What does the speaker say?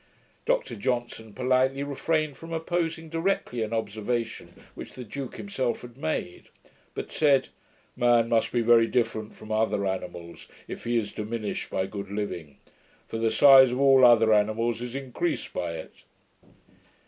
Dr Johnson politely refrained from opposing directly an observation which the duke himself had made; but said, 'Man must be very different from other animals, if he is diminished by good living; for the size of all other animals is increased by it.'